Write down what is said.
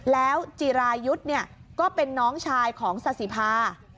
แล้วจิรายุทธ์ก็เป็นน้องชายของซาสิภา